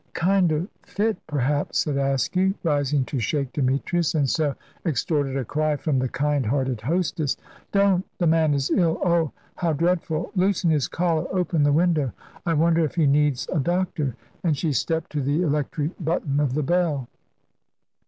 "Kind of fit, perhaps," said Askew, rising to shake Demetrius, and so extorted a cry from the kind hearted hostess. "Don't the man is ill! Oh, how dreadful! Loosen his collar open the window. I wonder if he needs a doctor," and she stepped to the electric button of the bell.